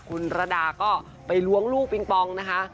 คุณระดาก็ไปล้วงลูกปิงปองนะคะ